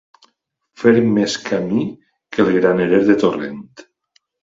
Fer més camí que el granerer de Torrent.